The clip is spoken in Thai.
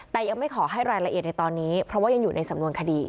แต่ยังไม่ขอให้รายละเอียดในตอนนี้เพราะว่ายังอยู่ในสำนวนคดี